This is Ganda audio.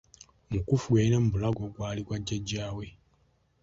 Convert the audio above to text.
Omukuufu gwe yalina mu bulago gw'ali gwa jjajja we.